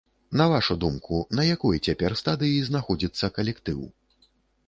На вашу думку, на якой цяпер стадыі знаходзіцца калектыў?